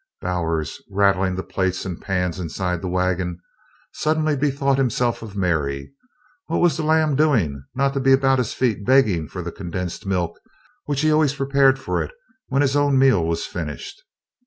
Bowers, rattling the plates and pans inside the wagon, suddenly bethought himself of Mary. What was the lamb doing not to be about his feet begging for the condensed milk which he always prepared for it when his own meal was finished?